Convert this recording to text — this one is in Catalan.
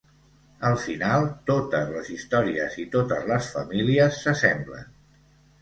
Al final, totes les històries i totes les famílies s’assemblen.